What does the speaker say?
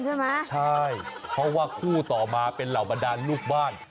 ใช่ไหมใช่เพราะว่าคู่ต่อมาเป็นเหล่าบรรดานลูกบ้าน